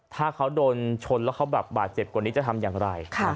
ถ้าเขาโดนชนแล้วเขาแบบบาดเจ็บกว่านี้จะทำอย่างไร